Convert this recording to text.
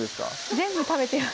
全部食べてます